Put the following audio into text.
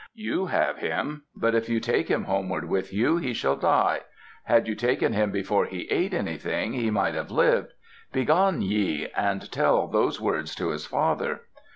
"You have him; but if you take him homeward with you, he shall die. Had you taken him before he ate anything, he might have lived. Begone ye, and tell those words to his father."